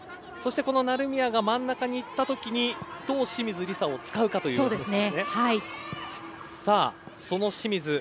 成宮が真ん中に行った時にどう清水梨紗を使うかということです。